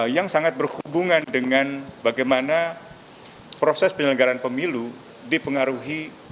yang sangat berhubungan dengan bagaimana proses penyelenggaraan pemilu dipengaruhi